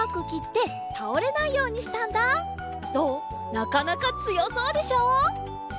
なかなかつよそうでしょ？